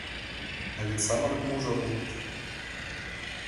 А вет самырык мужыр улыт.